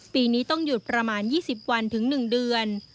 ปีนี้ต้องหยุดประมาณ๒๐วันถึง๑เดือน